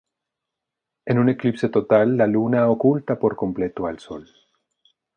En un eclipse total la Luna oculta por completo al Sol.